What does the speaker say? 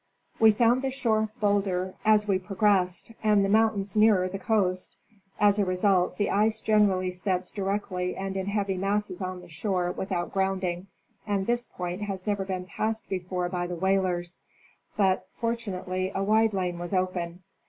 We found the shore bolder as we progressed, and the moun tains nearer the coast ; as a result, the ice generally sets directly and in heavy masses on the shore without grounding, and this point has never been passed before by the whalers, but fortu nately a wide lane was open.